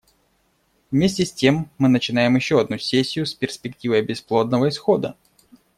Вместе с тем мы начинаем еще одну сессию с перспективой бесплодного исхода.